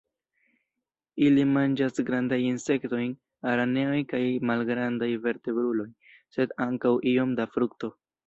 Ili manĝas grandajn insektojn, araneojn kaj malgrandajn vertebrulojn, sed ankaŭ iom da frukto.